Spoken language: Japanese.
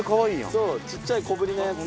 そうちっちゃい小ぶりのやつ。